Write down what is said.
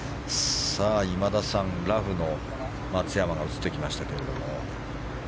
さあ、今田さん、ラフの松山が映ってきましたけれども。